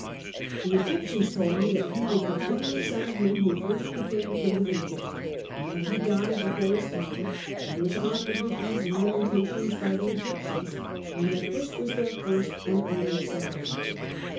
The Egyptians told me that he was the only son of him who first became king of Egypt, and that he died before his time and was honoured with these lamentations by the Egyptians, and that this was their first and only song.